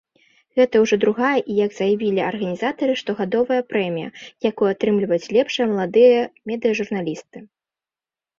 Гэта ўжо другая і, як заявілі арганізатары, штогадовая прэмія, якую атрымліваюць лепшыя маладыя медыяжурналісты.